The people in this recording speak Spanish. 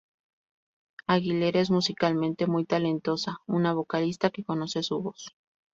Aguilera es musicalmente muy talentosa, una vocalista que conoce su voz.